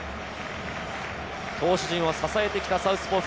投手陣を支えてきたサウスポー・福。